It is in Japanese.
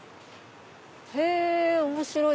へぇ面白い！